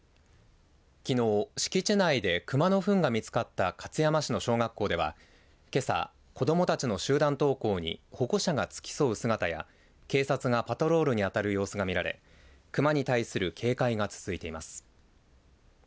きのう敷地内で熊のふんが見つかった勝山市の小学校ではけさ、子どもたちの集団登校に保護者が付き添う姿や警察がパトロールに当たる様子が見られ熊に対する警戒が続いています。